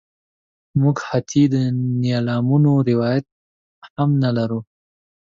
موږ حتی د نیلامونو روایت هم نه لرو.